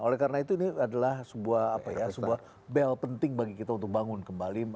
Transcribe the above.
oleh karena itu ini adalah sebuah bel penting bagi kita untuk bangun kembali